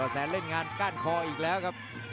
แสนเล่นงานก้านคออีกแล้วครับ